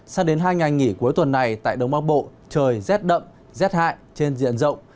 sao đến hai ngày nghỉ cuối tuần này tại đông bắc bộ trời rét đậm rét hại trên diện rộng